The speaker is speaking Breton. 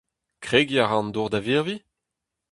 Kregiñ a ra an dour da virviñ ?